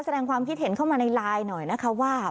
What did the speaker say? แสดงความคิดเห็นเข้ามาในไลน์หน่อยนะคะว่า